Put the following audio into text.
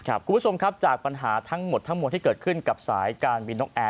คุณผู้ชมครับจากปัญหาทั้งหมดทั้งมวลที่เกิดขึ้นกับสายการบินนกแอร์